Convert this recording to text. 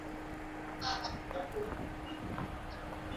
Pēc pāris dienām, pēc šāda dokumenta saņemšanas, beidzot pienāca vagoni.